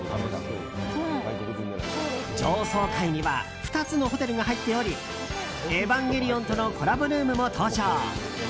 上層階には２つのホテルが入っており「エヴァンゲリオン」とのコラボルームも登場。